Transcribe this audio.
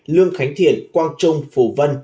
lương khánh thiện quang trung phủ vân